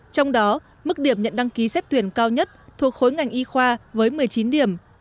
trong đó mức điểm nhận đăng ký xét tuyển cao nhất thuộc khối ngành y khoa với một mươi chín điểm